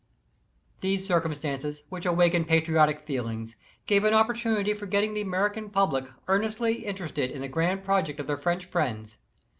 aj These circumstances, which awaken patriotic feelings, gave an opportunity for getting the American public earn estly interested in the grand project of their French friends.